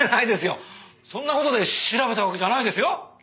そんな事で調べたわけじゃないですよ。